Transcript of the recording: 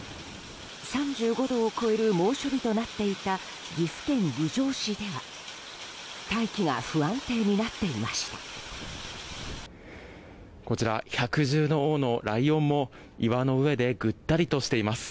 ３５度を超える猛暑日となっていた岐阜県郡上市では大気が不安定になっていました。